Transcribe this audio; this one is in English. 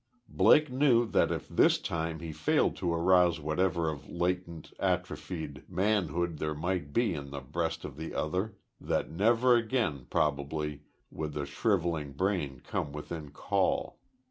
Blake knew that if this time he failed to arouse whatever of latent, atrophied manhood there might be in the breast of the other, that never again, probably, would the shrivelling brain come within call.